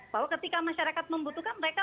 bahwa ketika masyarakat membutuhkan mereka